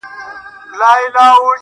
د نورو په بریا او کامیابۍ ډېر خپه کېږو